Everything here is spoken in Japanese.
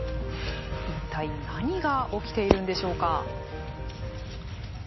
一体何が起きているんでしょうか。